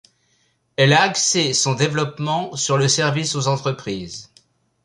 Elle a axé son développement sur le service aux entreprises.